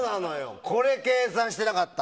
これ計算してなかった。